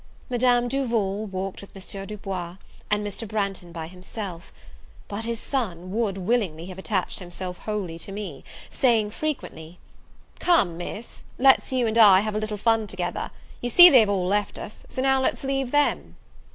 Madame Duval walked with M. Du Bois, and Mr. Branghton by himself; but his son would willingly have attached himself wholly to me; saying frequently, "come, Miss, let's you and I have a little fun together: you see they have all left us, so now let's leave them."